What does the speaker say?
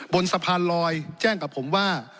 บนสะพานลอยแจ้งกับผมว่า